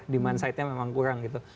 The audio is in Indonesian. demand side nya memang kurang gitu